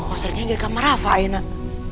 kok sering aja di kamar rafa ya nak